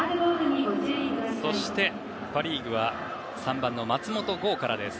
そして、パ・リーグは３番の松本剛からです。